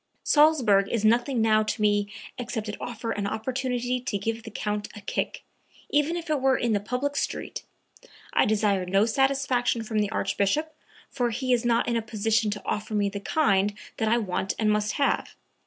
"Salzburg is nothing now to me except it offer an opportunity to give the Count a kick...even if it were in the public street. I desire no satisfaction from the Archbishop, for he is not in a position to offer me the kind that I want and must have.